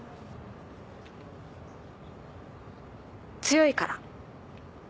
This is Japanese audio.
強いから。